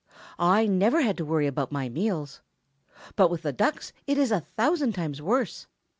I never had to worry about my meals. But with the Ducks it is a thousand times worse.